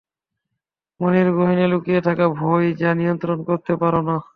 মনের গহীনে লুকিয়ে থাকা ভয় যা নিয়ন্ত্রণ করতে পারো না!